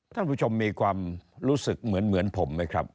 ท่านผู้ชมมีความรู้สึกเหมือนผมไหมครับ